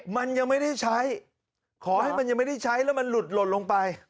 มันยังไม่ได้ใช้ขอให้มันยังไม่ได้ใช้แล้วมันหลุดหล่นลงไป